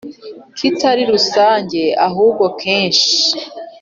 , kitari rusange ahubwo kenshi